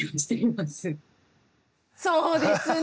まだそうですね。